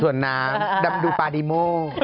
ส่วนน้ำดำดูปาดีโม